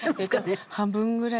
半分ぐらい。